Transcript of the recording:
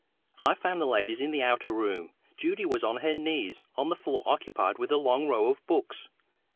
I found the ladies in the outer room. Judy was on her knees on the floor occupied with a long row of books.